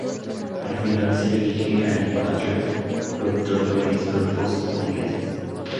Al final se elige a Nick Patrick, productor de varios grupos ingleses.